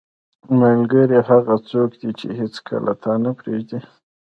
• ملګری هغه څوک دی چې هیڅکله تا نه پرېږدي.